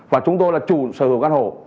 và chúng tôi là chủ sở hữu các hồ